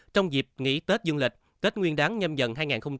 trong dịp nghỉ tết dương lịch tết nguyên đáng nhân dân hai nghìn hai mươi hai